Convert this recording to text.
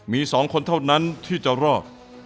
มี๒คนเท่านั้นที่จะรอด